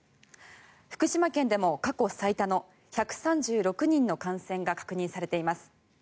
福島県でも過去最多の１３６人の感染が確認されています。